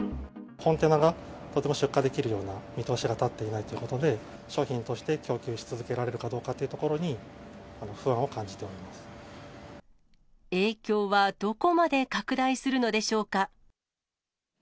コンテナがとても出荷できるような見通しが立っていないということで、商品として供給し続けられるかどうかっていうところに、不安を感影響はどこまで拡大するのでしょうか。